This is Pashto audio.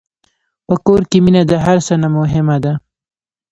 په کور کې مینه د هر څه نه مهمه ده.